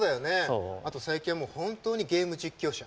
あと最近は本当にゲーム実況者。